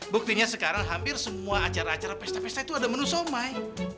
buktinya sekarang hampir semua acara acara pesta pesta itu ada menu somai